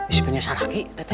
bisa penyesal lagi tete